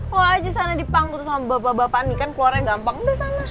lih lo aja sana dipangku sama bapak bapak angin kan keluarnya gampang deh sana